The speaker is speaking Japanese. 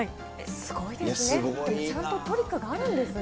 すごいですね。